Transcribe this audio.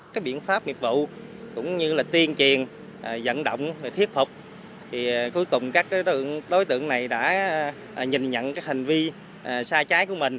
các biện pháp miệng vụ cũng như tiên truyền dẫn động thiết phục cuối cùng các đối tượng này đã nhìn nhận hành vi sai trái của mình